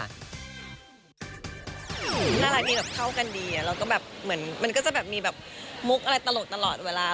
น่ารักดีแบบเข้ากันดีแล้วก็แบบเหมือนมันก็จะแบบมีแบบมุกอะไรตลกตลอดเวลา